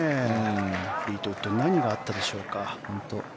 フリートウッドに何があったんでしょうか。